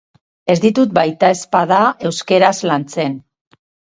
Ez ditut baitezpada euskaraz lantzen.